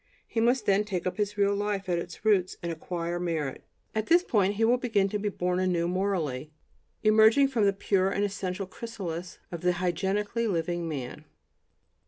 He must then take up his real life at its roots and "acquire merit." At this point he will begin to be born anew morally, emerging from the pure and essential chrysalis of the "hygienically" living man.